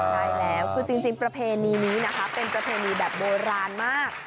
ใช่แล้วคือจริงประเพณีนี้นะคะเป็นประเพณีแบบโบราณมาก